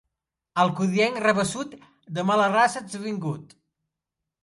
Alcudienc rabassut, de mala raça ets vingut.